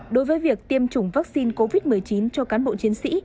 đối với việc tiêm chủng vaccine covid một mươi chín cho cán bộ chiến sĩ